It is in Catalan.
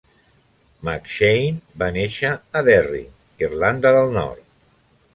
McShane va néixer a Derry, Irlanda del Nord.